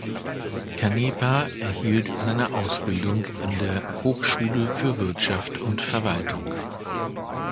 Canepa erhielt seine Ausbildung an der "Hochschule für Wirtschaft und Verwaltung".